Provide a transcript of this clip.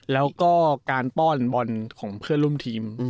แล้วก็การป้อนบอลของเพื่อนร่วมทีม